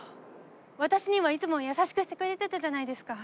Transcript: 私にはいつも優しくしてくれてたじゃないですか。